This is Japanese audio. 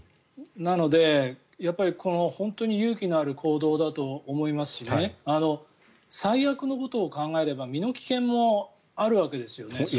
なので、本当に勇気のある行動だと思いますし最悪のことを考えれば身の危険もあるわけですよね。